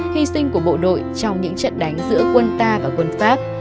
hy sinh của bộ đội trong những trận đánh giữa quân ta và quân pháp